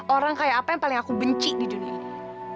orang kayak apa yang paling aku benci di dunia ini